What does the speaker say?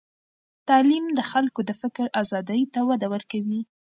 تعلیم د خلکو د فکر آزادۍ ته وده ورکوي.